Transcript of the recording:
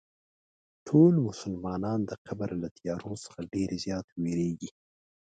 ټول مسلمانان د قبر له تیارو څخه ډېر زیات وېرېږي.